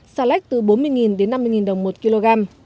xà lách từ bốn mươi đến năm mươi đồng một kg